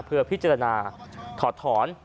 เพื่อพิจารณาถอดถอน